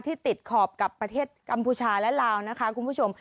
ติดขอบกับประเทศกัมพูชาและลาวนะคะคุณผู้ชม